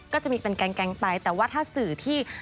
ก็จะมีเป็นแกงไปแต่ว่าถ้าสื่อที่